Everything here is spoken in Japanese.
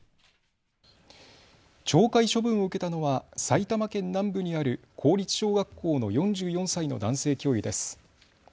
懲戒処分を受けたのは埼玉県南部にある公立小学校の４４歳の男性教諭です。